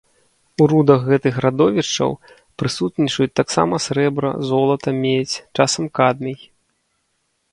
У рудах гэтых радовішчаў прысутнічаюць таксама срэбра, золата, медзь, часам кадмій.